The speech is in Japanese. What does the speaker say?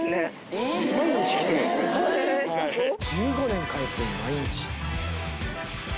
１５年通ってる毎日。